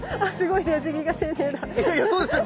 いやいやそうですよ。